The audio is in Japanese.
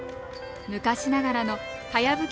昔ながらのかやぶき